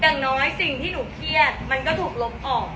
แต่หนอยที่หนูเครียดมันก็ถูกลบออก